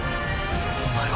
お前は。